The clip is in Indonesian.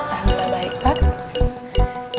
alhamdulillah baik pak